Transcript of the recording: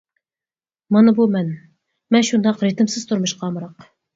مانا بۇ مەن، مەن شۇنداق رىتىمسىز تۇرمۇشقا ئامراق!